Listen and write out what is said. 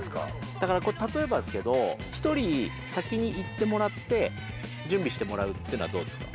だからこれ、例えばですけど、１人先に行ってもらって、準備してもらうっていうのはどうですか？